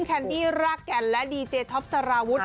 แคนดี้รากแก่นและดีเจท็อปสารวุฒิ